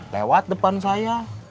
lewat depan saya